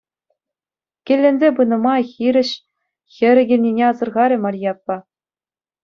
Килленсе пынӑ май хирӗҫ хӗрӗ килнине асӑрхарӗ Марье аппа.